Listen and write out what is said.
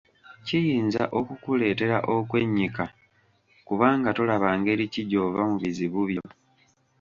Kiyinza okukuleetera okwennyika kubanga tolaba ngeri ki gy'ova mu bizibu byo.